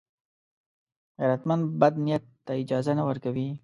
غیرتمند بد نیت ته اجازه نه ورکوي